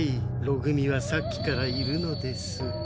ろ組はさっきからいるのです。